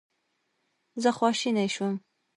زه خواشینی شوم.